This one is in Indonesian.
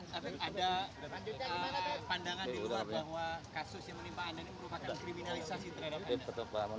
jadi semua kasus yang menimpa anda ini merupakan kriminalisasi terhadap anda